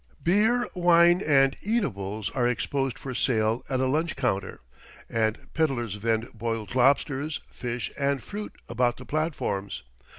Beer, wine, and eatables are exposed for sale at a lunch counter, and pedlers vend boiled lobsters, fish, and fruit about the platforms.